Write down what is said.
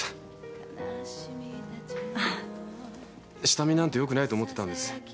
下見なんてよくないと思ってたんです。